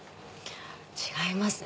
違いますね